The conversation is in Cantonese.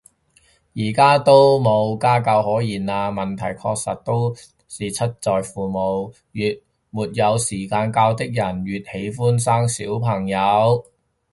而家都冇家教可言啦，問題確實都是出在父母，越沒有時間教的人越喜歡生小朋友